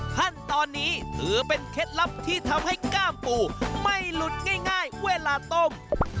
ขั้นตอนนี้ถือเป็นเคล็ดลับที่ทำให้กล้ามปูไม่หลุดง่ายเวลาต้ม